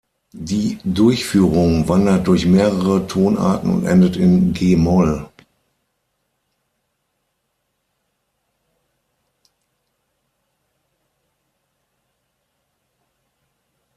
Die Durchführung wandert durch mehrere Tonarten und endet in g-Moll.